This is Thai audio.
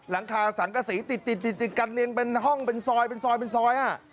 ร้านค้าสั่งกระสีติดติดติดกันเองเป็นห้องเป็นซอยเป็นซอยเป็นซอยฮะ